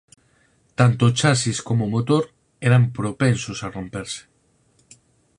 Tanto o chasis como o motor eran propensos a romperse.